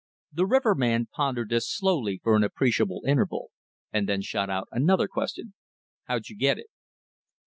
The riverman pondered this slowly for an appreciable interval, and then shot out another question. "How'd you get it?"